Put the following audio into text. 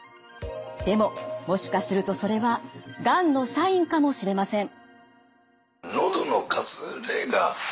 でももしかするとそれはがんのサインかもしれません。